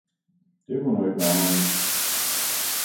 Det kunne nu ikke være anderledes.